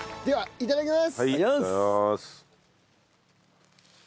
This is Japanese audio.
いただきます。